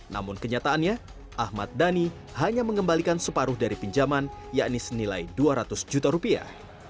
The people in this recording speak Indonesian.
namun kenyataannya ahmad dhani hanya mengembalikan separuh dari pinjaman yakni senilai dua ratus juta rupiah